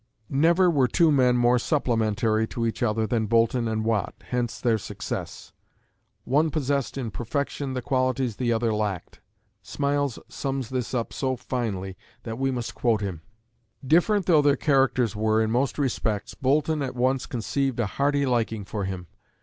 Never were two men more "supplementary" to each other than Boulton and Watt, and hence their success. One possessed in perfection the qualities the other lacked. Smiles sums this up so finely that we must quote him: Different though their characters were in most respects, Boulton at once conceived a hearty liking for him.